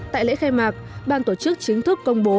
tại lễ khai mạc ban tổ chức chính thức công bố